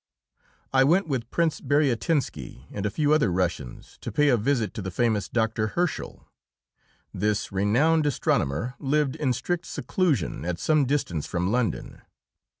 I went with Prince Bariatinski and a few other Russians to pay a visit to the famous Doctor Herschel. This renowned astronomer lived in strict seclusion at some distance from London.